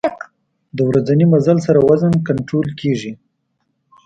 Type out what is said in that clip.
د ورځني مزل سره وزن کنټرول کېږي.